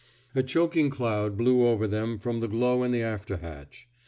A choking cloud blew over them from the glow in the after hatch.